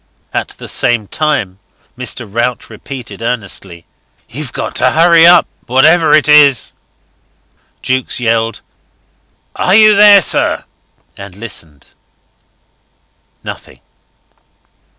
At the same time Mr. Rout repeated earnestly: "You've got to hurry up, whatever it is." Jukes yelled "Are you there, sir?" and listened. Nothing.